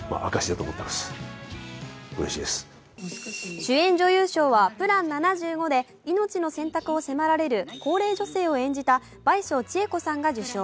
主演女優賞は「ＰＬＡＮ７５」で命の選択を迫られる高齢女性を演じた倍賞千恵子さんが受賞。